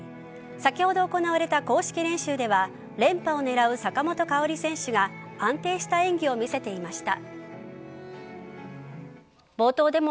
先ほど行われた公式練習では連覇を狙う坂本花織選手が安定した演技を見せていました。